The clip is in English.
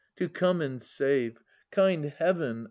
To come and save. Kind Heaven